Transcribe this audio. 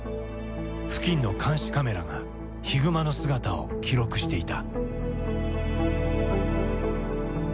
付近の監視カメラがヒグマの姿を記録していた。